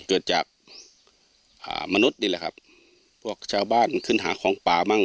เกิดจากอ่ามนุษย์นี่แหละครับพวกชาวบ้านขึ้นหาของป่ามั่ง